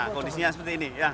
kondisinya seperti ini